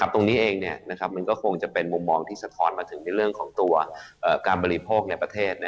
ตรงนี้เองมันก็คงจะเป็นมุมมองที่สะท้อนมาถึงในเรื่องของตัวการบริโภคในประเทศ